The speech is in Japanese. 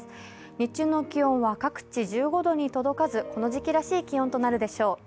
日中の気温は各地、１５度に届かずこの時期らしい気温となるでしょう。